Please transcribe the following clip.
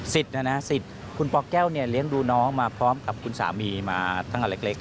นะสิทธิ์คุณปแก้วเนี่ยเลี้ยงดูน้องมาพร้อมกับคุณสามีมาตั้งแต่เล็ก